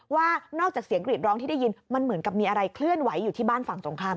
ว่านอกจากเสียงกรีดร้องที่ได้ยินมันเหมือนกับมีอะไรเคลื่อนไหวอยู่ที่บ้านฝั่งตรงข้าม